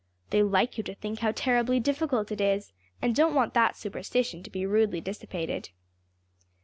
They like you to think how terribly difficult it is, and don't want that superstition to be rudely dissipated.